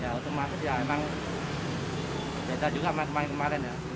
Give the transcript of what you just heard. ya untuk maksudnya memang beda juga sama kemarin ya